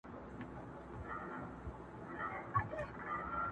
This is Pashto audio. څوک چي نه لري دا دواړه بختور دی!